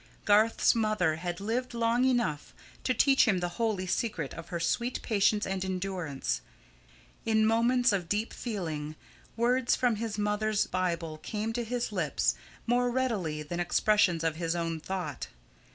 Garth's mother had lived long enough to teach him the holy secret of her sweet patience and endurance. In moments of deep feeling, words from his mother's Bible came to his lips more readily than expressions of his own thought.